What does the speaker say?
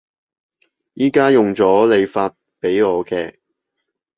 而家用咗你發畀我嘅